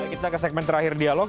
kita ke segmen terakhir dialog